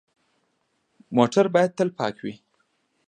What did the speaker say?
موټر باید تل پاک وي.